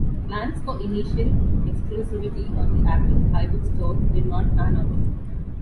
Plans for initial exclusivity on the Apple iBookstore did not pan out.